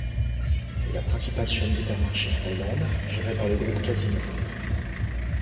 C'est la principale chaîne d'hypermarchés en Thaïlande, gérée par le groupe Casino.